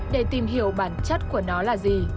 để tìm hiểu bản chất của nó là gì